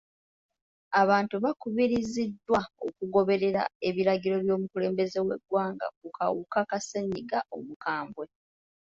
Abantu bakubiriziddwa okugoberera ebiragiro by'omukulembeze w'egwanga ku kawuka ka ssennyiga omukwambwe..